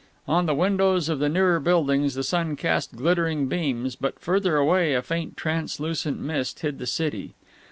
On the windows of the nearer buildings the sun cast glittering beams, but further away a faint, translucent mist hid the city.